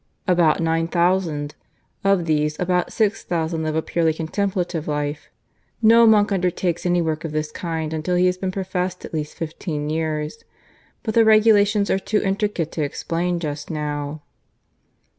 "About nine thousand. Of these about six thousand live a purely Contemplative Life. No monk undertakes any work of this kind until he has been professed at least fifteen years. But the regulations are too intricate to explain just now."